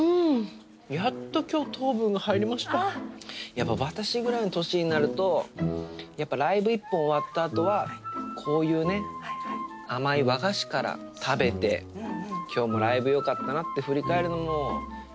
やっぱ私ぐらいの年になるとライブ１本終わった後はこういうね甘い和菓子から食べて今日もライブ良かったなって振り返るのも。